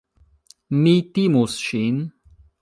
Mi timus ŝin.